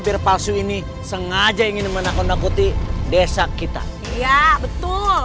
bir palsu ini sengaja ingin menakut nakuti desa kita iya betul